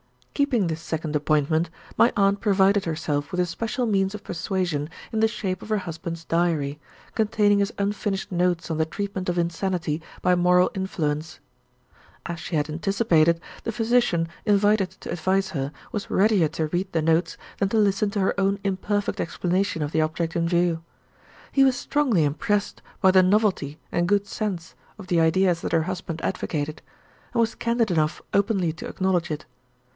Keeping this second appointment, my aunt provided herself with a special means of persuasion in the shape of her husband's diary, containing his unfinished notes on the treatment of insanity by moral influence. As she had anticipated, the physician invited to advise her was readier to read the notes than to listen to her own imperfect explanation of the object in view. He was strongly impressed by the novelty and good sense of the ideas that her husband advocated, and was candid enough openly to acknowledge it.